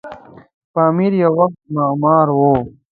پامیر یو وخت معما وه.